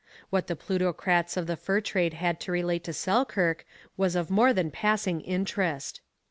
What the plutocrats of the fur trade had to relate to Selkirk was of more than passing interest.